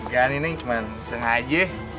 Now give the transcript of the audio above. ya nih neng cuma sengaja